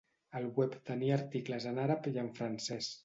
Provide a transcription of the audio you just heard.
El web tenia articles en àrab i en francès.